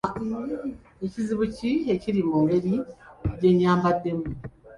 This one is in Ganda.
Kizibu ki ekiri ku ngeri gye nyambaddemu?